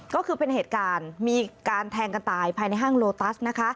ก็คือเป็นเหตุการณ์มีการแทงกันตายภายในห้างโลตัสนะคะ